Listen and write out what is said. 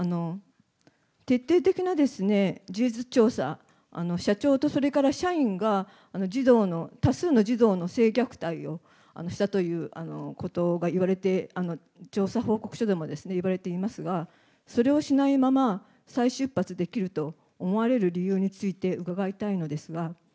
徹底的な事実調査、社長とそれから社員が児童の、多数の児童の性虐待をしたということがいわれて、調査報告書でもいわれていますが、それをしないまま再出発できると思われる理由について伺いたいのですが。